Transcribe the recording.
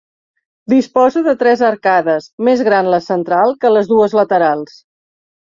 Disposa de tres arcades, més gran la central que les dues laterals.